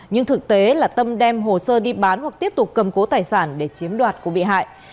nhưng thực tế là tâm đem hồ sơ đi bán hoặc tiếp tục cầm cố tài sản để chiếm đoạt của bị hại